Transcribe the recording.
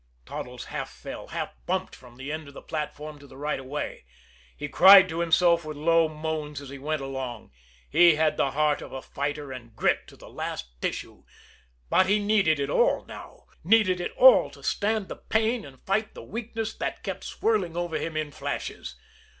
Toddles half fell, half bumped from the end of the platform to the right of way. He cried to himself with low moans as he went along. He had the heart of a fighter, and grit to the last tissue; but he needed it all now needed it all to stand the pain and fight the weakness that kept swirling over him in flashes.